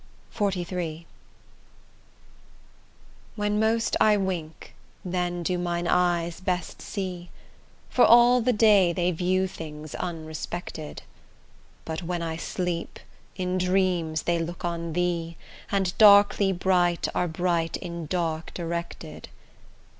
XLIII When most I wink, then do mine eyes best see, For all the day they view things unrespected; But when I sleep, in dreams they look on thee, And darkly bright, are bright in dark directed.